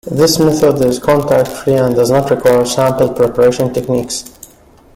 This method is contact-free and does not require sample preparation techniques.